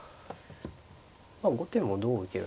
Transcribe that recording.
まあ後手もどう受けるのか。